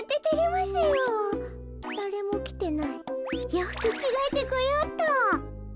ようふくきがえてこようっと。